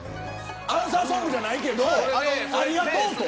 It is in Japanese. アンサーソングじゃないけどありがとうと。